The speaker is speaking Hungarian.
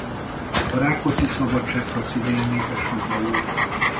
A Rákóczi-szabadságharc idején népesült be újra.